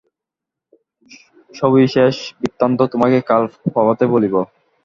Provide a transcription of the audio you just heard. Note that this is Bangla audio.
সবিশেষ বৃত্তান্ত তোমাকে কাল প্রভাতে বলিব।